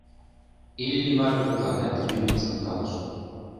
Иллимар тудланат лӱмым шонкалыш.